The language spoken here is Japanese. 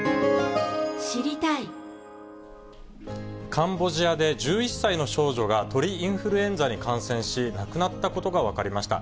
カンボジアで１１歳の少女が鳥インフルエンザに感染し、亡くなったことが分かりました。